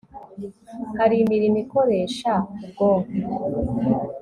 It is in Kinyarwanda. hari imirimo ikoresha ubwonko